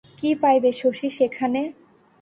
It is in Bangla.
কী পাইবে শশী সেখানে?